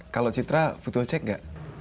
kalau citra butuh ojek gak